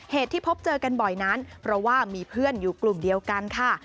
เหตุที่พบเจอกันบ่อยนั้นเพราะว่ามีเพื่อนอยู่กลุ่มเดียวกันค่ะ